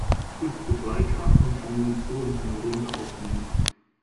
Bis zu drei Karten kann man so in einer Runde aufnehmen.